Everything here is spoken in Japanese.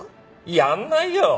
やんないよ！